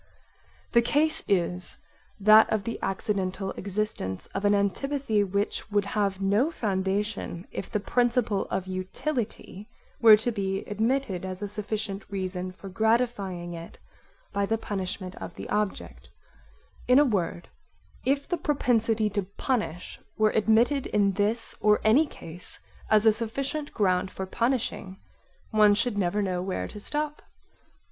The case is that of the accidental existence of an antipathy which [would have] no foundation [if] the principle of utility were to be admitted as a sufficient reason for gratifying it by the punishment of the object; in a word, if the propensity to punish were admitted in this or any case as a sufficient ground for punishing, one should never know where to stop.